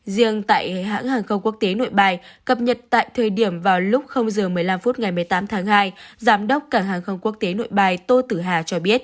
riêng tại hãng hàng không quốc tế nội bài cập nhật tại thời điểm vào lúc giờ một mươi năm phút ngày một mươi tám tháng hai giám đốc cảng hàng không quốc tế nội bài tô tử hà cho biết